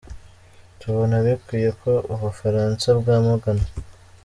Tubona bikwiye ko u Bufaransa bwamaganwa.